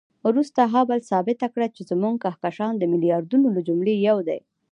وروسته هابل ثابته کړه چې زموږ کهکشان د میلیاردونو له جملې یو دی.